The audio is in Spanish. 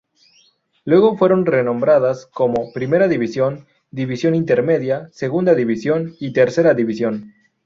Luego fueron renombradas como: Primera División, División Intermedia, Segunda División y Tercera División.